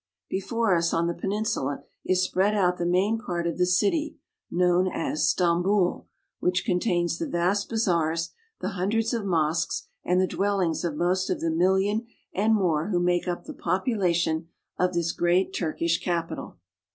Before us on the peninsula is spread out the main part of the city, known as Stambul, which contains the vast bazaars, the hundreds of mosques, and the dwellings of most of the million and more who make up the population of this great Turkish capital.